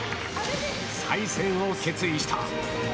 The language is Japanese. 再戦を決意した。